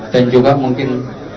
dan juga mungkin